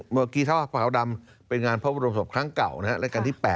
เมื่อกี้เท้าหัวดำเป็นงานพระบรมศพครั้งเก่านะครับรายการที่๘